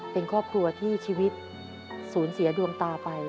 เป็นครอบครัวที่ชีวิตสูญเสียดวงตาไป